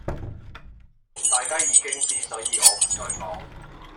大家已經知,所以我唔再講